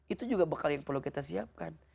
itu juga bekal yang perlu kita siapkan